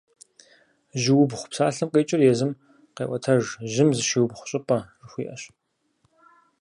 «Жьыубгъу» псалъэм къикӀыр езым къеӀуэтэж: «жьым зыщиубгъу щӀыпӀэ» жыхуиӀэщ.